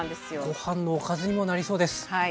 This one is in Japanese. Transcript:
ご飯のおかずにもなりそうです。